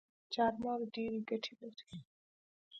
چارمغز ډیري ګټي لري